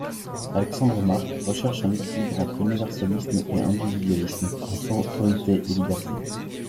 Alexandre Marc recherche un équilibre entre universalisme et individualisme, entre autorité et liberté.